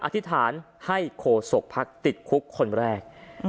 อธิษฐานให้โขสกพักติดคุกคนแรก